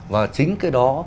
và chính cái đó